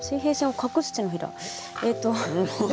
えっと。